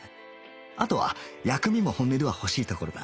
あとは薬味も本音では欲しいところだ